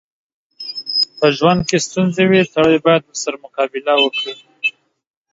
په ژوند کې ستونځې وي، سړی بايد ورسره مقابله وکړي.